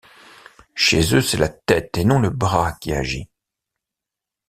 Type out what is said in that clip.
Chez eux, c’est la tête et non le bras qui agit.